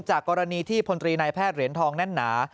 จากกรณีที่พลตรีนายแพทย์เหรียญทองแน่นหนา